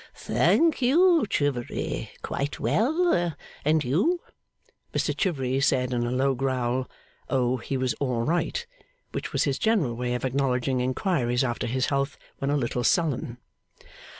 'Thank you, Chivery, quite well. And you?' Mr Chivery said in a low growl, 'Oh! he was all right.' Which was his general way of acknowledging inquiries after his health when a little sullen.